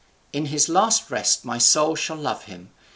In his last rest my soul shall love him.